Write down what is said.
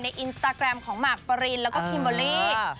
อินสตาแกรมของหมากปรินแล้วก็คิมเบอร์รี่